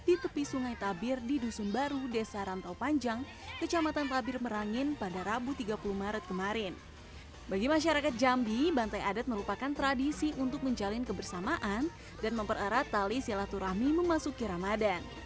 dari ketala tali silaturahmi memasuki ramadan